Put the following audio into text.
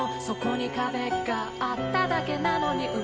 「そこに壁があっただけなのに」